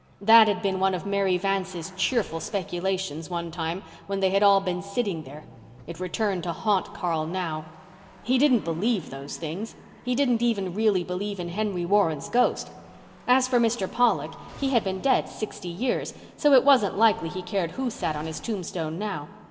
That had been one of Mary Vance's cheerful speculations one time when they had all been sitting there. It returned to haunt Carl now. He didn't believe those things; he didn't even really believe in Henry Warren's ghost. As for Mr. Pollock, he had been dead sixty years, so it wasn't likely he cared who sat on his tombstone now.